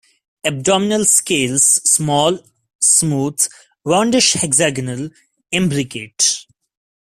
Abdominal scales small, smooth, roundish-hexagonal, imbricate.